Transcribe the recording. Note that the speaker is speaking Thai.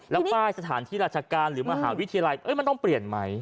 แล้วป้ายสถานที่ราชการหรือมหาวิทยาลัยมันต้องเปลี่ยนไหม